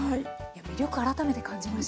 魅力を改めて感じました。